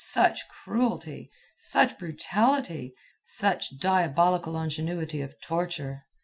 Such cruelty! Such brutality! Such diabolical ingenuity of torture!